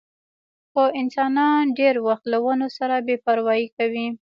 خو انسانان ډېر وخت له ونو سره بې پروايي کوي.